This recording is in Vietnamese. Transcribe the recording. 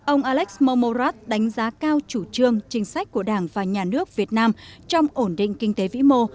ông alex momorat đánh giá cao chủ trương chính sách của đảng và nhà nước việt nam trong ổn định kinh tế vĩ mô